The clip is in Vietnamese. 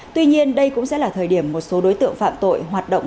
tuy nhiên đây cũng sẽ là thời điểm một số đối tượng phạm tội hoạt động